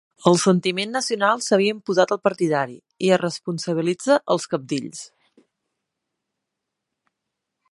El sentiment nacional s'havia imposat al partidari i es responsabilitza els cabdills.